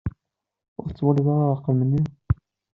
Ur tettwaliḍ ara rrqem-nni?